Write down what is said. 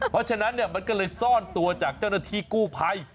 เพราะฉะนั้นมันก็เลยซ่อนตัวจากเจ้าหน้าที่กู้ภัย